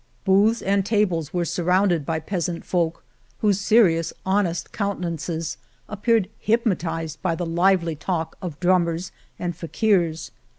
Booths and tables were surrounded by peasant folk, whose serious, honest counte nances appeared hypnotized by the lively talk of drummers and fakirs.